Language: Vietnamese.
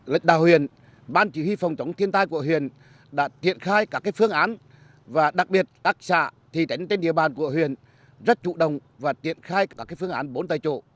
lịch đạo huyền ban chỉ huy phòng chống thiên tai của huyền đã thiện khai các phương án và đặc biệt các xã thị trấn trên địa bàn của huyền rất chủ động và thiện khai các phương án bốn tay chỗ